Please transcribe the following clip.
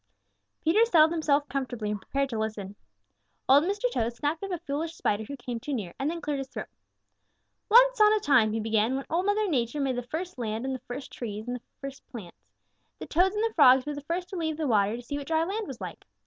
Peter settled himself comfortably and prepared to listen. Old Mr. Toad snapped up a foolish spider who came too near and then cleared his throat. "Once on a time," he began, "when Old Mother Nature made the first land and the first trees and plants, the Toads and the Frogs were the first to leave the water to see what dry land was like.